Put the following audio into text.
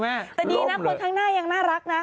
แต่ดีนะคนข้างหน้ายังน่ารักนะ